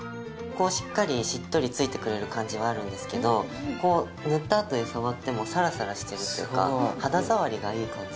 しっかりしっとりついてくれる感じはあるんですけどこう塗ったあとに触ってもサラサラしてるというか肌触りがいい感じ